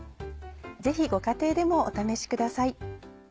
ぜひご家庭でもお試しください。